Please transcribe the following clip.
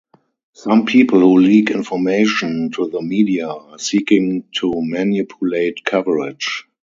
Some people who leak information to the media are seeking to manipulate coverage.